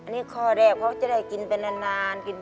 นี่ครอดแคร์เพราะจะได้กินไปนาน